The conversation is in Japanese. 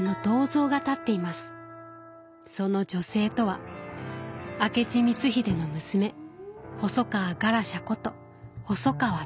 その女性とは明智光秀の娘細川ガラシャこと細川玉。